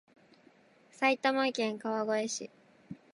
埼玉県川越市